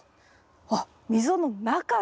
あっ溝の中に。